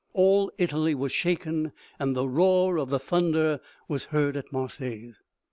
All Italy was shaken, and the roar of the thunder was heard at Marseilles."